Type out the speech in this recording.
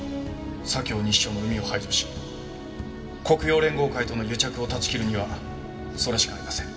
左京西署の膿を排除し黒洋連合会との癒着を断ち切るにはそれしかありません。